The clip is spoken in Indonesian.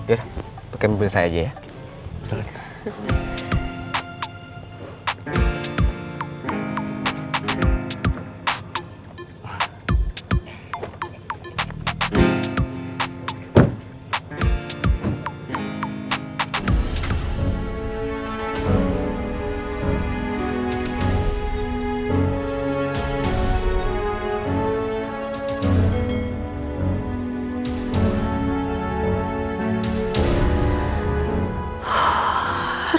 yaudah pakai mobil saya aja ya